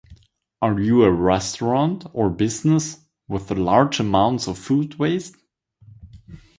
Are you a restaurant or business with large amounts of food waste?